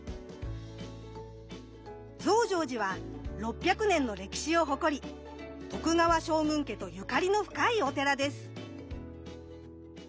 増上寺は６００年の歴史を誇り徳川将軍家とゆかりの深いお寺です。